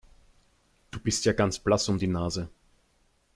Du bist ja ganz blass um die Nase.